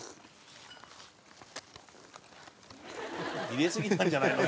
入れすぎたんじゃないの？